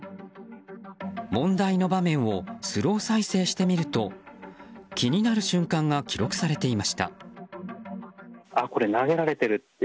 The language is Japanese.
問題の場面をスロー再生してみると気になる瞬間が記録されていました。